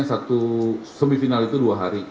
semifinal itu dua hari